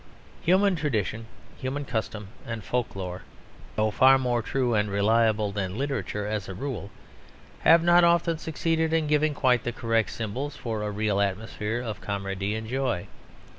Human tradition, human custom and folk lore (though far more true and reliable than literature as a rule) have not often succeeded in giving quite the correct symbols for a real atmosphere of camaraderie and joy.